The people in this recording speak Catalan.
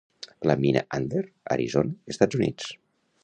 La mina Antler, Arizona, Estats Units